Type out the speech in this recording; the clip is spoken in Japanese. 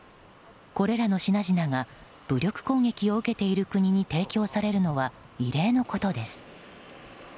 これらの品々が武力攻撃を受けている国に提供されるのは異例のことです。